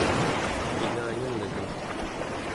pingayunlegen